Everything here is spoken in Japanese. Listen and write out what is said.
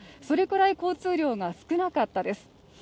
それくらい交通量が少なかったです。